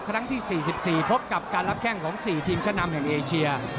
ครั้งที่๔๔พบกับการรับแข้งของ๔ทีมชะนำแห่งเอเชีย